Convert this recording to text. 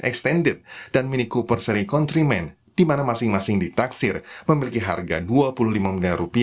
extended dan mini cooper seri countryman dimana masing masing di taksir memiliki harga dua puluh lima miliar